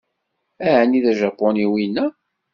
Ɛni d ajapuni wina?